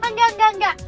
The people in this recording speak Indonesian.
pak enggak enggak enggak